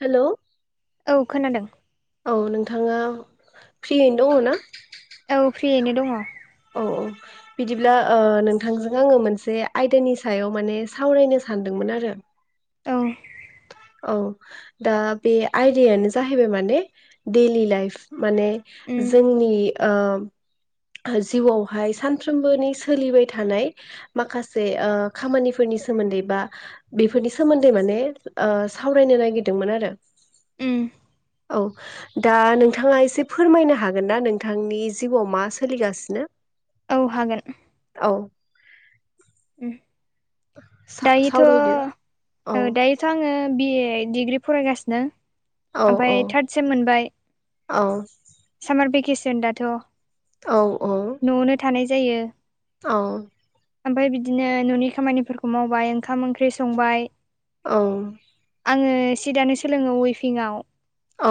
हेल' औ खोनादों औ नोंथाङा फ्रियैनो दङ ना? औ फ्रियैनो दङ'। औ औ बिदिब्ला ओ नोंथांजों आङो मोनसे आयदानि सायाव माने सावरायनो सा सानदोंमोन आरो। औ औ दा बे आयदायानो जाहैबाय माने डेलि लाइफ माने उम जोंनि ओ जिउआवहाय सानफ्रोमबोनि सोलिबाय थानाय माखासे ओ खामानिफोरनि सोमोन्दै बा बेफोरनि सोमोन्दै माने ओ सावरायनो नागिरदोंमोन आरो। उम औ दा नोंथाङा एसे फोरमायनो हागोन ना नोंथांनि जिउआव मा सोलिगासिनो? औ हागोन। औ उम दायोथ' सावरायदो औ दायोथ' ओ आङो बि ए डिग्रि फरायगासिनो। औ औ ओमफ्राय थार्द सेम मोनबाय औ सामार भेकेसन दाथ' औ औ। न'आवनो जायो। औ ओमफफ्राय बिदिनो न'नि खामानिफोरखौ मावबाय ओंखाम ओंख्रि संबाय औ आङो सि दानो सोलोङो उइफिंआव औ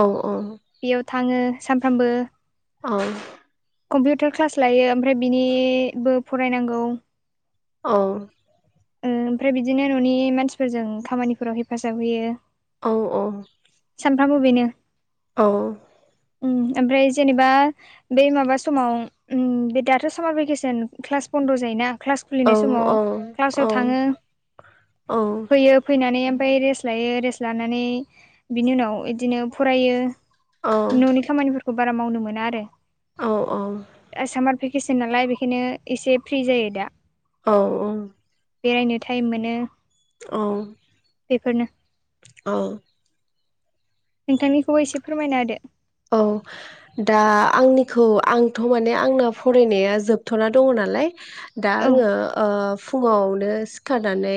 बेयाव थाङो सानफ्रामबो औ कम्पिउटार क्लास लायो ओमफ्राय बिनिबो फरायनांगौ। औ। ओ ओमफ्राय बिदिनो न'नि मानसिफोरजों खामानिफोराव हेफाजाब होयो। औ औ। फ्रामबो बेनो औ उम ओमफ्राय जेनेबा बेै माबा समाव बे दाथ' सामार भेकेसन क्लास बन्द' जायोना क्लास खुलिनाय समाव क्लासाव थाङो। औ फैयो फैना नै ओमफ्राय रेस्ट लायो रेस्ट लानानै बिनि उनाव बिदिनो फरायो। न'नि खामानिफोरखौ बारा मावनो मोना आरो। आ सामा र भेकेसन नालाय बेखायनो एसे फ्रि जायो दा। औ औ। बेरायनो टाइम मोनो। औ बेफोरनो औ। नोंथांनिखौबो एसे फोरमायना होदो। औ दा आंनिखौ आंथ' माने आंना फरायनाया जोबथ'ना दङ' नालाय दा औ आङो ओ फुङावनो सिखारनानै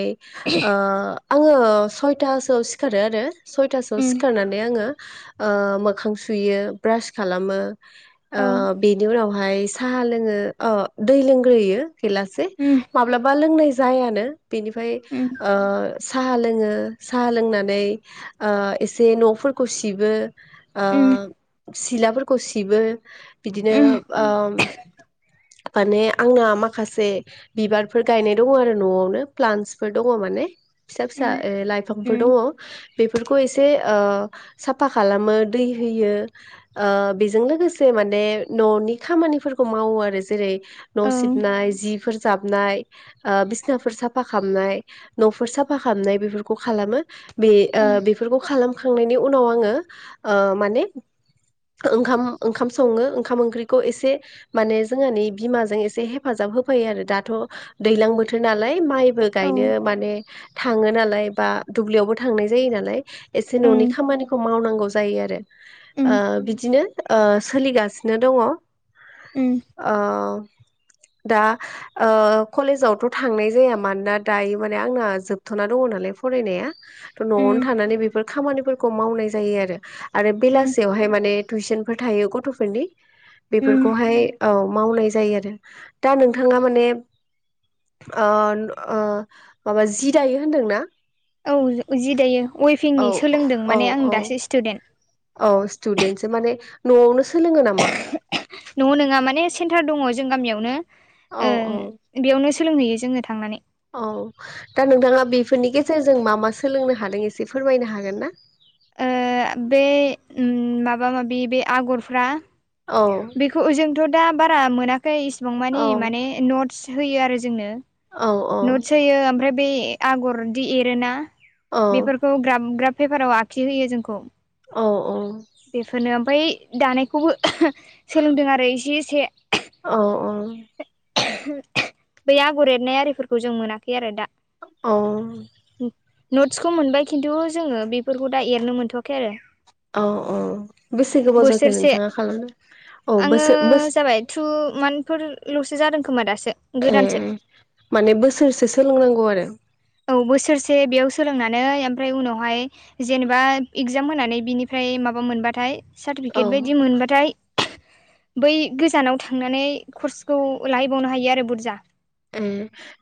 आङो सयथोआव सिखारो आरो सयथोआव उम सिखारनानै आङो ओ मोखां सु सुयो ब्रास खालामो औ बेनि आ उनावहाय साहा लोङो ओ दै लोंग्रोयो गैलासे उम माब्लाबा लोंनाय जायानो बेनिफाय उम ओ साहा लोङो साहा लोंनानै ओ एसे न'फोरखौ सिबो। ओ उम सिलाफोरखौ सिबो बिदिनो उम ओ [inaudible] माने आंना माखासे बिबारफोर गायनाय दङ' आरो न'आवनो प्लान्सफोर दङ' माने फिसा फिसा लाइफांफोर उम उम दङ'। बेफोरखौ एसे ओ साफा खालामो दै होयो। ओ बेजों लोगोसे माने न'नि खामानिफोरखौ मावो आरो जेरै न' औ सिबनाय जिफोर जाब नाय बिसिनाफोर साफा खालामनाय न'फोर साफा खालामनाय बेफोरखौ खालामो बे उम बेफोरखौ खालामखांनायनि उनाव आङो माने ओंखाम ओंखाम सङो ओंखाम ओंख्रिखौ एसे माने जोंहानि बिमाजों एसे हेफाजाब होफायो। दाथ' दैलां बोथोर नालाय माइबो औ गायनो मान थाङो नालाय बा दुब्लियावबो थांनाय जायो नालाय एसे उम न'नि खामानिखौ मावनांगौ जायो आरो उम बिदिनो सोलिगासिनो दङ। उम दा कलेजावथ' थांनाय जाया मानोना दायो माने आंना जोबथ'ना दङ नालाय फरायनाय'नो उम थानानै बे खाम मावनाय जायो आरो बेला उम माने टुइसनफोर थायो गथ'फोरनि बेफोरखौहाय औ मावनाय जायो आरो दा उम नोंथाङा माने माबा जि दायो होनदोंना? औ जि दायो औ वेफिंनि सोलोंदों औ माने आं औ दासो सिटुदेन्ट। औ सिटुदेन्टसो माने न'आवनो सोलोङो नामा न' नोङा माने सेन्टार दङ जों गामियावनो औ ओ औ बेयावनो सोलोंहैयो जोंनो थांनानै औ दा नोंथाङा बेफोरनि गेजेरजों मा मा सोलोंनो हादों एसे फोरमायनो हागोन ना [inaudible] ओ बे माबा माबि बे आगरफ्रा औ बेखौ जोंथ' दा बारा मोनाखै इसिबां औ मानि माने नटस होयो आरो जोंनो औ नटस होयो ओमफ्राय बे आगरदि एरोोना औ बेफोरखौ ग्राब ग्राब पेपाराव आखि होयो जोंखौ। औ औ बेफोरनो ओमफ्राय दानायखौबो सोलोंदों आरो इसे एसे औ औ बै आगर एरनाय आरिफोरखौ जों मोनाखै आरो दा। औ नटसखौ मोनबाय खिन्थु जोङो बेफोरखौ दा एरनो मोनथ'वाखै आरो। औ औ बेसे गोबाव जाखो बोसोरसे नोंथाङा खालामनो औ बोसो बो मानफोरल'सो जादों खोमा दासो गोदानसो उम माने बोसोरसे सोलोंनांगौ आरो। औ बोसोरसे बेयाव सोलोंनानै ओमफ्राय उनावहाय जेनेबा इगजाम होनानै बिनिफ्राय ओमफ्राय माबा मोनबाथाय सार्टिफिकेट औ बायदि मोनबाथाय बै गोजानाव थांनानै कर्सखौ लाहैबावनो हायो आरो बुरजा। उम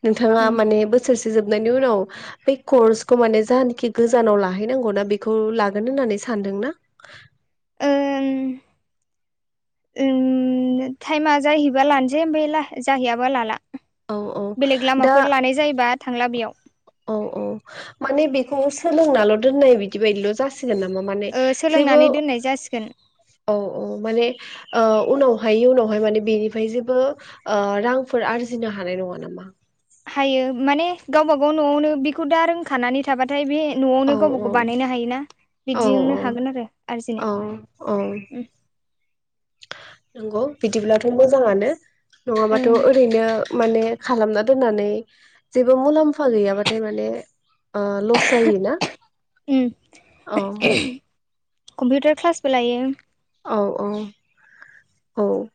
नोंथाङा ओं माने बोसोरसे जोबनायनि उनाव ब कर्सखौ माने जखि गोजानाव लाहैनांगौना बेखौ लागोन होननानै सा सानदोंना। टाइमा जाहैबा लानोसै ओमफ्राय जाहैयाबा लाला। औ औ बेलेग दा लामाफोर लानाय जायोबा थांला बेयाव। औ औ माने बेखौ सोलोंनाल' दोननाय बिदि बायदिल' जासि गोन नामा बेयाव जेबो सोलोंनानै दोननाय जासिगोन औ औ माने ओ उनावहाय उनावहाय माने बेनिफ्राय जेबो रांफोर आरजिनो हानाय नङा नामा? हायो माने गावबा गाव न'आवनो बेखौ दा रोंखानानै थाबाथाय बे औ न'आवनो गावबा औ गाव बानायनो हायोना औ बिदिनो हागोन आरो आरजिनो। औ औ नंगौ बिदिब्लाथ' मोजाङानो नङाबाथ' ओं ओरैनो माने खालामना दोननानै जेबो मुलाम्फा गैयाबाथाय माने ओ लस जायोना उम औ कम्पिउटार क्लासबो लायो। औ औ औ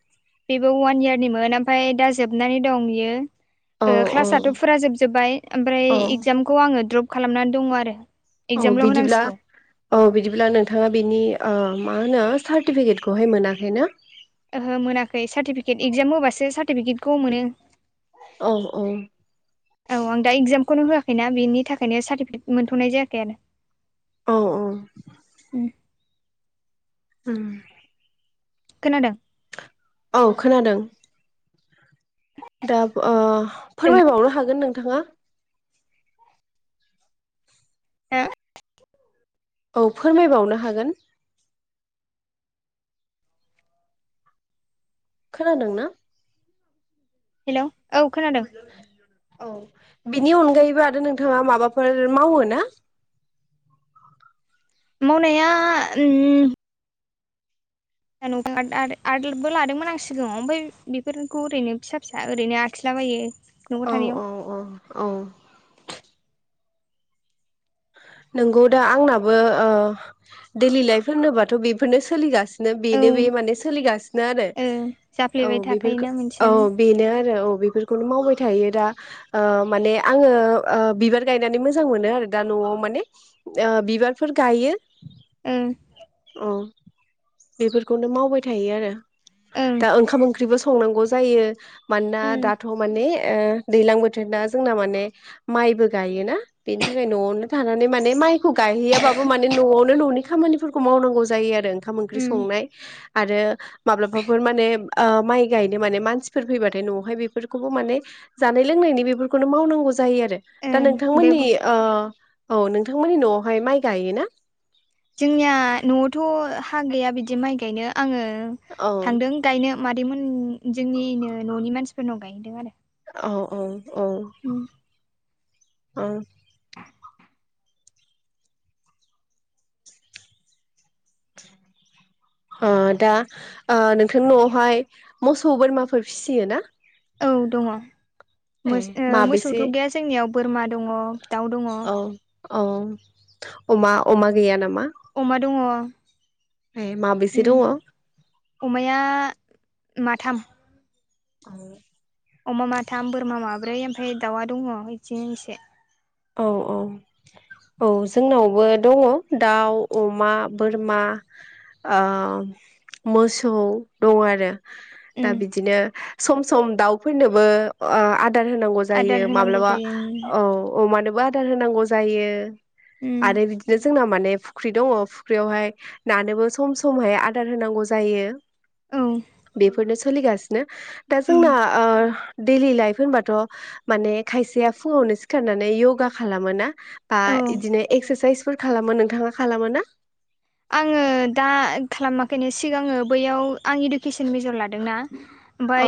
बेबो अवान इयारनिमोन ओमफ्राय दा जोबनानै दं औ बियो। औ क्लासाथ' फुरा जोबजोबबाय ओमफ्राय औ इगजामखौ आङो द्रप खालामनानै दङ आरो। औ इगजामल' बिदिब्ला होनांसिगौ औ बिदिब्ला नोंथाङा बिनि मा होनो सार्टिफिकेटखौहाय मोनाखै ना? ओहो मोनाखै सार्टिफिकेट इगजाम होबासो सार्टिफिकेटखौ मोनो। औ औ औ आं दा इगजामखौनो होआखैना बेनि थाखायनो सार्टिफिकेट मोनथ'नाय जायाखै आरो। औ औ [inaudible] उम खोनादों औ खोनादों। दा फोरमायबावनो हागोन नोंथाङा। खोनादोंना औ फोरमायबावनो हागोन। खोनादों ना? हेलौ औ खोनादों औ बिनि अनगायैबो आरो नोंथाङा माबाफोर मावो ना? मावनाया उम आदबो लादोंमोन आं सिगाङाव ओमफ्राय बेफोरखौ ओरैनो फिसा फिसा ओरैनो आखिला बायो। औ औ औ औ [inaudible] नोंगौ दा आंनाबो दैलि लाइफ होनोबाथ' बेफोरनो सोलिगासिनो औ बेनो बे ओ माने सोलिगासिनो आरो औ जाफ्लेबाय बेफोरखौ थाखायोना औ मोनसेयानो बेनो आरो औ। बेफोरखौनो मावबाय थायो दा माने आङो बिबार गायनानै मोजां मोनो आरो। दा न'आव माने बिबारफोर गायो ओं औ। बेफोरखौनो मावबाय थायो आरो। ओं दा ओंखाम ओंख्रिबो संनांगौ जायो मानोना उम दाथ' माने दैलां बोथोर ना। जोंना माने माइबो गायोना बेनि बेनि थाखाय न'आवनो थानानै माने माइखौ गायहैयाबाबो माने न'आवनो न'नि खामानिफोरखौ मावनांगौ जायो आरो। ओंखाम ओंख्रि उम संनाय आरो माब्लाबाफोर माने माइ गायनो माने मानसिफोर फैबाथाय न'आवहाय बेफोरखौबो माने। जानाय लोंनायनि बेफोरखौनो मावनांगौ। जायो आरो दा ओं बे नोंथांमोननि बुस औ नोंथांनि न'आवहाय माइ गायोना? जोंनिया न'आवथ' हा गैया बिदि माइ गायनो। आङो औ थांदों गायनो मादैमोन जोंनिनो न'नि मानसिफोरनाव गायदों आरो। औ औ औ उम औ। [inaudible] दा नोंथांनि न'आवहाय मोसौ बोरमाफोर फिसियो ना? औ दङ ए मोसौथ' माबेसे गैया जोंनियाव बोरमा दङ दाउ दङ औ औ अमा अमा गैया नामा। अमा दङ ए माबेसे उम दङ औ अमाया माथाम आरो। अमा माथाम बोरमा माब्रै ओमफ्राय दाउआ दङ बिदिनो एसे औ औ औ जोंनावबो दङ दाउ अमा बोरमा। ओ मोसौ दङ आरो। दा उम बिदिनो सम सम दाउफोरनोबो। आदार होनांगौ आदार जायो होनांगौ माब्लाबा जायो औ अमानोबो आदार होनांगौ जायो उम आरो बिदिनो जोंना माने। फुख्रि दङ फुख्रियावहाय नानोबो सम समहाय आदार होनांगौ जायो। औ बेफोरनो सोलिगासिनो दा उम जोंना ओ दैडलि लाइफ होनबाथ माने खायसेया फुङावनो सिखारनानै य'गा खालामो ना। बा औ बिदिनो एक्सारसाइसफोर खालामो नोंथाङा खालामो ना आङो दा खालामाखैनो सिगाङो बैयाव आं इडुकेसन मेजर लादोंना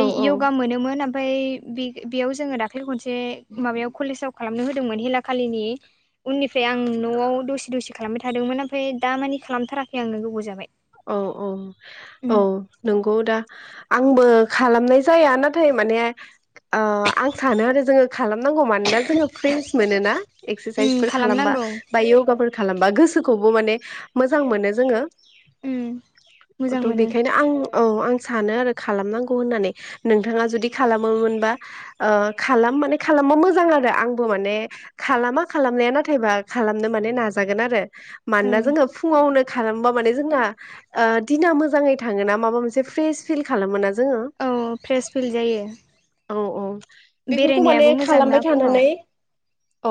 औ औ यगा मोनोमोन ओमफ्राय बेयाव जोङो दाख्लै खनसे माबायाव कलेजाव खालामनो होदोंमोन हेला खालिनि। उननिफ्राय आं नआव दसे दसे खालामबाय थादोंमोन ओमफ्राय दा मानि खालामथाराखै आंनो गोबाव जाबाय। औ औ उम औ नंगौ दा। आंबो खालामनाय जाया नाथाय माने आं सानो आरो जोङो खालाम। नांगौ मानोना जोंङो फ्रेस मोनो ना उम इस्रासायसफोर थामोना। खालामनांगौ खालामबा गोसोखौबो माने मोजां मोनो जोङो उम मोजां थ मोनो बेखायनो आं। औ आं सानो आरो खालामनांगौ होननानै नोंथाङा जुदि खालामोमोनबा खालाम माने खालामबा मोजां आरो आंबो माने खालामा खालामनाया नाथायबा खालामनो माने नाजागोन आरो। मानोना ओं जोङो फुङावनो खालामबा माने जोंना। दिना मोजाङै थाङोना माबा मोनसे फ्रेश फिल खालामो ना जोङो। औ फ्रेस फिल जायो। औ औ बेफोरखौ माने बेरायनायाबो मोजां ना खालामबाय फुङाव थानानै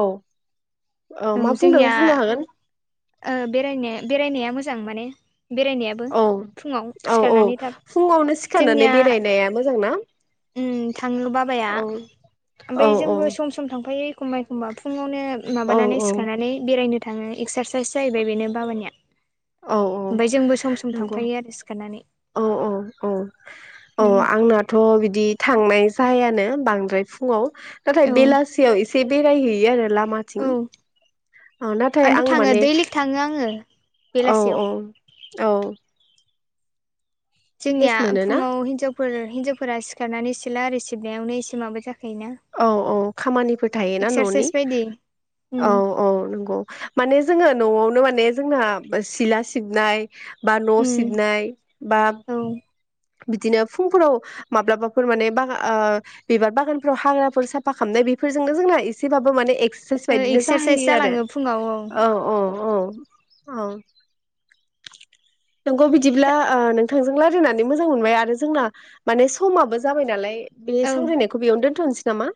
औ। औ मा बुंदों जोंनिया बुंनो हागोन बेराय बेरायनाया मोजां माने। बेरायनायाबो औ फुङाव औ औ सिखारनानै थाब फुङावनो सिखारनानै जोंनिया। बेरायनाया मोजां ना उम थाङो बाबाया औ औ ओमफ्राय औ जोंबो सम सम थांफायो। एखमबा एखमबा फुङावनो औ माबानानै औ सिखारनानै बेरायनो थाङो एक्सारसाइस इस जाहैबाय बेनो बाबानिया औ औ ओमफ्राय जोंबो सम सम नंगौ थांफायो आरो सिखारनानै औ औ औ औ उम आंनाथ बिदि थांनाय जायानो बांद्राय फुङाव। नाथाय औ बेलासियाव इसे बेरायहैयो आरो औ माथिं नाथाय आंथ' आं थाङो माने दैलिग थाङो आङो औ बेलासियाव औ औ फ्रेस जोंनिया मोनोना फुङाव हिनजावफोर हिनजावफोरा सिखारनानै सिला आरो सिबनायावनो एसे माबा जाखा औ औ खामानिफोर थायोना न'नि एक्सारसाइस बायदि उम औ औ नंगौ माने जोङो नआवनो माने जोंना सिला सिबनाय बा न उम सिबनाय बा औ बिदिनो फुंफोराव माब्लाबाफोर माने बागान बिबार बागानफ्राव हाग्राफोर साफा खालामनाय बेफोरजोंनो जोंना एसेबाबो माने ए साइस ओ बायदिनो एक्सारसाइस जाहैयो आरो जालाङो फुङाव औ औ औ। औ नंगौ बिदिब्ला नोंथांजों लाय रायनानै मोजां मोनबाय आरो जोंना माने समाबबो जाबाय नालाय बे औ सावरायनायखौ बेयावनो दोन थनोसै नामा?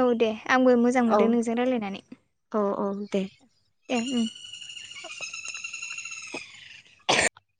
औ दे आंबो मोजां औ मोनदों नोंजों रायलायनानै। औ औ दे ए ओं